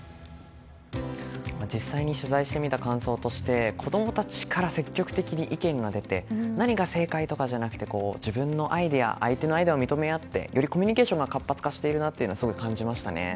実際に取材をした感想として子供たちから積極的に意見が出て何が正解とかじゃなくて自分のアイデア相手のアイデアを認め合ってよりコミュニケーションが活発化しているなとすごく感じましたね。